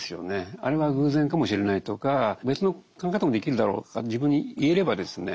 あれは偶然かもしれないとか別の考え方もできるだろうとか自分に言えればですね